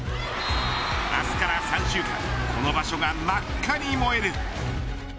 明日から３週間この場所が真っ赤に燃える。